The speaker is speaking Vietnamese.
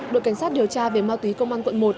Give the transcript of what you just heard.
đội cảnh sát điều tra về ma túy công an quận một